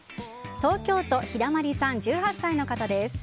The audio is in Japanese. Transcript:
東京都、１８歳の方です。